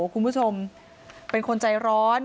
คุณผู้ชมเป็นคนใจร้อน